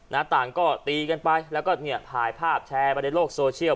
ต่างก็ตีกันไปแล้วก็เนี่ยถ่ายภาพแชร์ไปในโลกโซเชียล